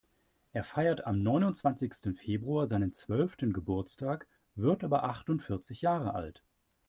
Er feiert am neunundzwanzigsten Februar seinen zwölften Geburtstag, wird aber achtundvierzig Jahre alt.